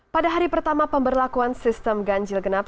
pada hari pertama pemberlakuan sistem ganjil genap